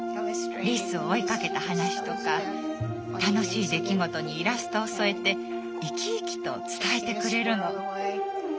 リスを追いかけた話とか楽しい出来事にイラストを添えて生き生きと伝えてくれるの。